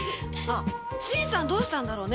新さんどうしたんだろう？